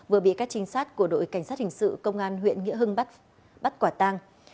vừa bị các trinh sát của đội cảnh sát hình sự công an huyện nghĩa hưng bắt quả tang